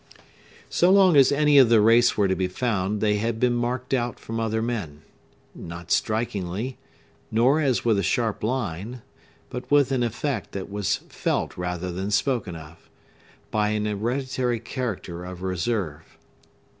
So long as any of the race were to be found, they had been marked out from other men—not strikingly, nor as with a sharp line, but with an effect that was felt rather than spoken of—by an hereditary character of reserve.